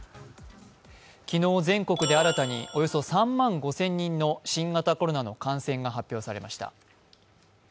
昨日、全国で新たにおよそ３万５０００人の新型コロナの感染が発表されました。